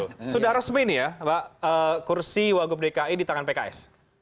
bisa resmi ini ya kursi wakil ketua dpi di tangan pks